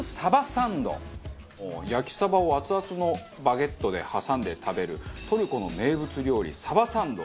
焼きサバを熱々のバゲットで挟んで食べるトルコの名物料理サバサンド。